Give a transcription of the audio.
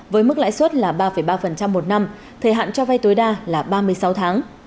với mức lãi suất là ba ba một năm thời hạn cho vay tối đa là ba mươi sáu tháng